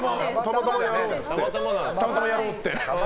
たまたまやろうって。